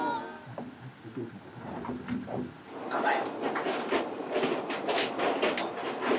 頑張れ。